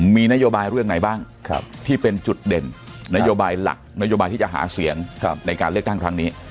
มีนโยบายเรื่องไหนบ้างที่เป็นจุดเด่นนโยบายหลักนโยบายที่จะหาเสียงในการเลือกตั้งครั้งนี้